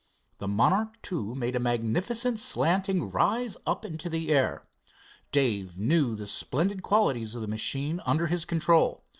The Monarch II made a magnificent slanting rise up into the air. Dave knew the splendid qualities of the machine under his control.